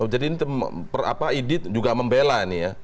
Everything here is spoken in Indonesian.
jadi ini per apa idy juga membela nih ya